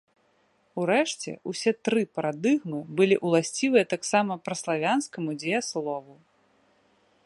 Урэшце, усе тры парадыгмы былі ўласцівыя таксама праславянскаму дзеяслову.